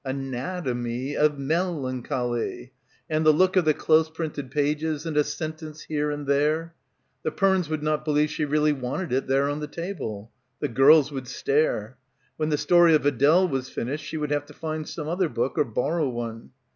hnat — omy of Mel — ancholy, and the look of the close printed pages and a sentence here and there. The Pernes would not believe she really wanted it there on the table. The girls would stare. When "The Story of Adele" was finished she would have to find some other book; or borrow one.